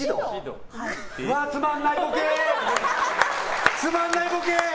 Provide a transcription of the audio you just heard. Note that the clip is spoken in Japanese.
うわ、つまんないボケ！